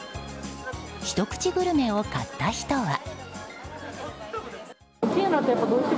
ひと口グルメを買った人は。